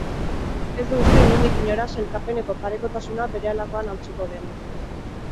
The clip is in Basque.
Ez du uste, inondik inora, sailkapeneko parekotasuna berehalakoan hautsiko denik.